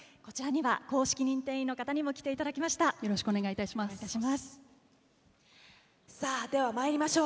公式認定員の方にも来ていただきました。